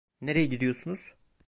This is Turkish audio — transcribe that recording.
Nereye gidiyorsunuz?